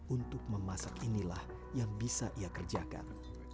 untuk memasak inilah yang bisa ia kerjakan